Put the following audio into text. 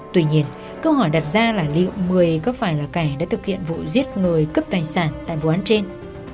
tuy nhiên câu hỏi đặt ra là liệu mời có phải là cải đã thực hiện vụ giết người cấp tài sản tại vụ án trên